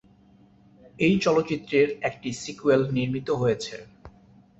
এই চলচ্চিত্রের একটি সিক্যুয়েল নির্মিত হয়েছে।